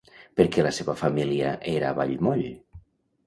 Per què la seva família era a Vallmoll?